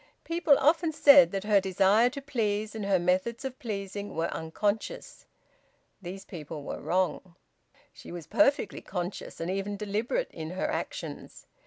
People often said that her desire to please, and her methods of pleasing, were unconscious. These people were wrong. She was perfectly conscious and even deliberate in her actions.